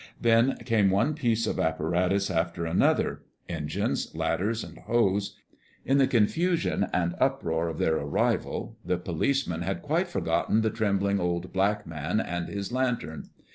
Then came one piece of apparatus after another, engines, ladders and hose. In the confusion and uproar of their arrival, the policeman had quite forgotten the trembling old black man and his lantern.